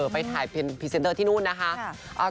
ไปถ่ายเป็นพรีเซนเตอร์ที่นู่นนะคะ